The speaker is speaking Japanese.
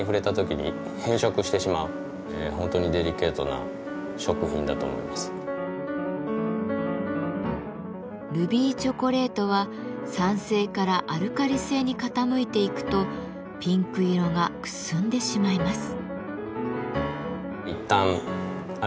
何か他のものと混ぜた時にルビーチョコレートは酸性からアルカリ性に傾いていくとピンク色がくすんでしまいます。